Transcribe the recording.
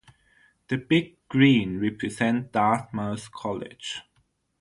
The Big Green represent Dartmouth College.